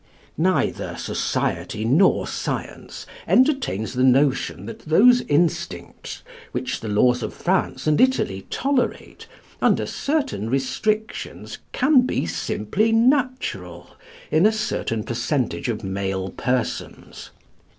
Neither society nor science entertains the notion that those instincts which the laws of France and Italy tolerate, under certain restrictions, can be simply natural in a certain percentage of male persons.